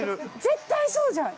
絶対そうじゃん！